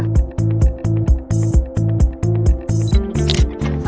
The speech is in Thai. สวัสดีค่ะ